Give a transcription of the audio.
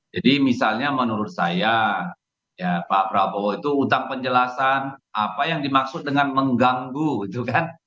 jadi misalnya menurut saya pak prabowo itu utang penjelasan apa yang dimaksud dengan mengganggu itu kan